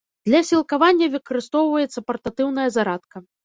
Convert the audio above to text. Для сілкавання выкарыстоўваецца партатыўная зарадка.